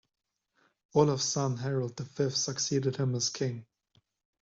Olav's son Harald the Fifth succeeded him as King.